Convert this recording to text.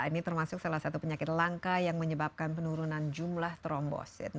ini termasuk salah satu penyakit langka yang menyebabkan penurunan jumlah trombosit